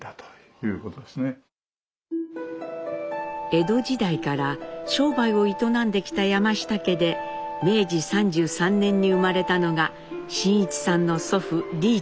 江戸時代から商売を営んできた山下家で明治３３年に生まれたのが真一さんの祖父利一です。